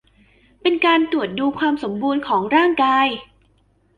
เป็นการตรวจดูความสมบูรณ์ของร่างกาย